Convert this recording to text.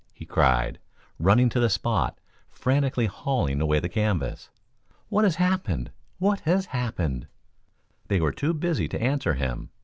he cried, running to the spot, frantically hauling away the canvas. "What has happened? What has happened?" They were too busy to answer him.